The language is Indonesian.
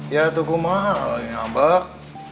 ya tuh kumah lagi ngambek